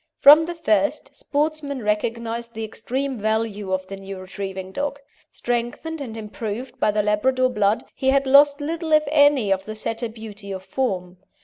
From the first, sportsmen recognised the extreme value of the new retrieving dog. Strengthened and improved by the Labrador blood, he had lost little if any of the Setter beauty of form.